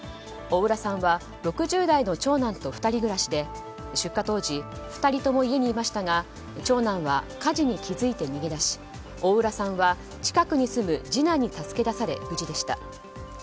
大浦さんは６０代の長男と２人暮らしで出火当時２人とも家にいましたが長男は火事に気付いて逃げ出し大浦さんは近くに住む次男に助け出され無事でした。